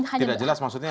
tidak jelas maksudnya